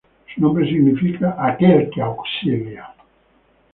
Su nombre significa "aquel que auxilia".